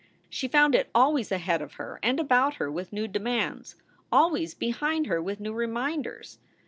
She found it always ahead of and about her with new demands; always behind her with new reminders.